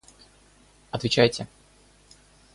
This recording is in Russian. Отвечайте.